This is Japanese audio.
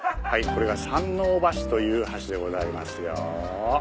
これが山王橋という橋でございますよ。